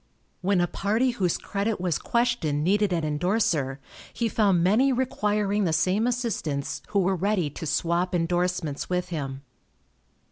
When a party whose credit was questioned needed an indorser, he found many requiring the same assistance who were ready to swap indorsements with him.